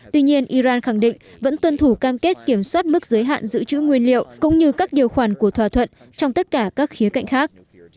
tuy nhiên iran khẳng định vẫn tuân thủ cam kết kiểm soát mức giới hạn giữ chữ nguyên liệu cũng như các điều khoản của thỏa thuận trong tất cả các khía cạnh khác